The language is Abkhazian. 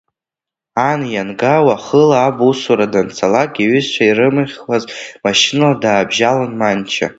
Ан Ианга уахыла аб усура данцалак, иҩызцәа ирымихуаз машьынала даабжьалон Манча.